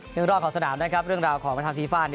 เรื่องรอดขอสนามด้วยครับเรื่องราวของประธานภิษฐา